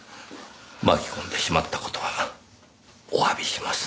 巻き込んでしまった事はおわびします。